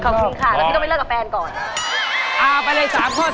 ขอบคุณค่ะแล้วพี่ต้องไปเลิกกับแฟนก่อน